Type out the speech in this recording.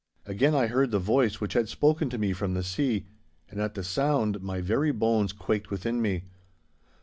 Again I heard the voice which had spoken to me from the sea, and at the sound my very bones quaked within me.